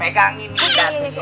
pegang ini dati